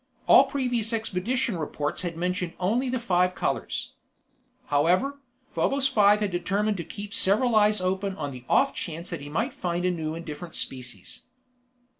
All previous expedition reports had mentioned only the five colors. However, Probos Five had determined to keep several eyes open on the off chance that he might find a new and different species.